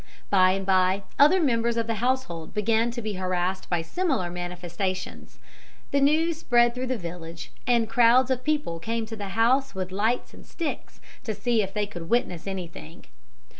By and by other members of the household began to be harassed by similar manifestations. The news spread through the village, and crowds of people came to the house with lights and sticks, to see if they could witness anything.